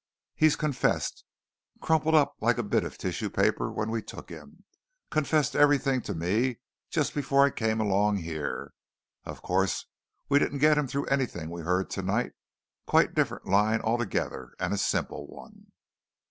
He's confessed crumpled up like a bit of tissue paper when we took him confessed everything to me just before I came along here. Of course we didn't get him through anything we've heard tonight; quite different line altogether, and a simple one."